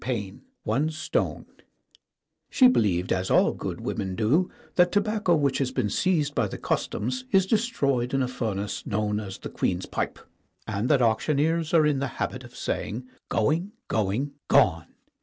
VII ONE STONE SHE believed, as all good women do, that tobacco which has been seized by the' Customs is de stroyed in a furnace known as the Queen's Pipe, and that auctioneers are in the habit of saying "Going, going, gone